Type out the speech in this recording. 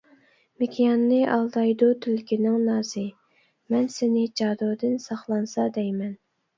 مېكىياننى ئالدايدۇ تۈلكىنىڭ نازى، مەن سېنى جادۇدىن ساقلانسا دەيمەن.